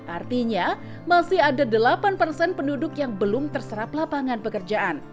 artinya masih ada delapan persen penduduk yang belum terserap lapangan pekerjaan